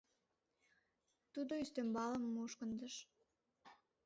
— Тудо ӱстембалым мушкындыш.